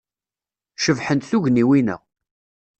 Cebḥent tugniwin-a.